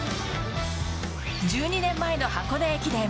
１２年前の箱根駅伝。